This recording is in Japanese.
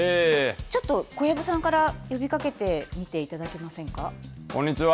ちょっと小籔さんから呼びかけてみてこんにちは。